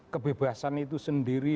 kebebasan itu sendiri